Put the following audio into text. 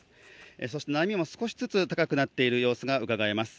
そして波も少しずつ高くなっている様子がうかがえます。